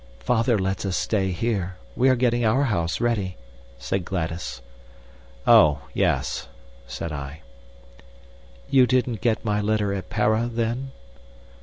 "Father lets us stay here. We are getting our house ready," said Gladys. "Oh, yes," said I. "You didn't get my letter at Para, then?"